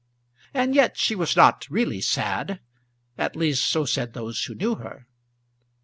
And yet she was not really sad, at least so said those who knew her.